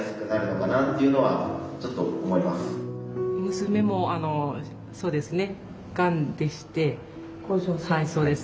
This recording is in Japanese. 娘もそうですね